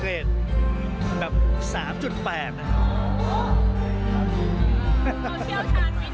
เราเที่ยวชาติมีชาติไหนเป็นพิเศษ